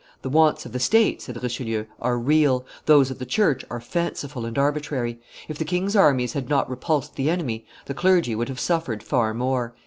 "The wants of the state," said Richelieu, "are real; those of the church are fanciful and arbitrary; if the king's armies had not repulsed the enemy, the clergy would have suffered far more."